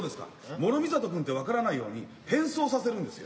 諸見里君って分からないように変装させるんですよ。